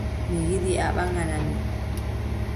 Mi yiɗi a ɓaŋgana mi.